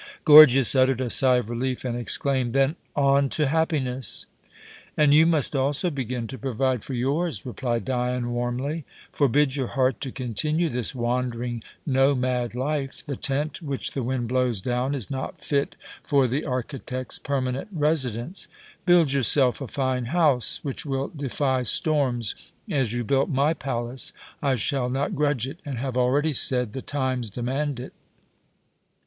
Gorgias uttered a sigh of relief, and exclaimed, "Then on to happiness!" "And you must also begin to provide for yours," replied Dion warmly. "Forbid your heart to continue this wandering, nomad life. The tent which the wind blows down is not fit for the architect's permanent residence. Build yourself a fine house, which will defy storms, as you built my palace. I shall not grudge it, and have already said, the times demand it."